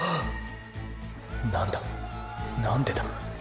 何だ何でだ。